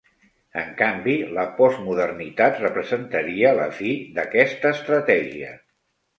En canvi la postmodernitat representaria la fi d'aquesta estratègia.